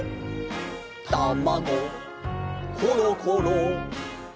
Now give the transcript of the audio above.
「たまごころころ」